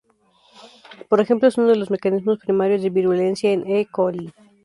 Por ejemplo, es uno de los mecanismos primarios de virulencia en "E. coli".